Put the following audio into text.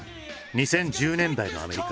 ２０１０年代のアメリカ。